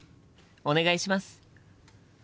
お願いします！